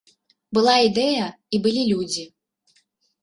Была ідэя і былі людзі.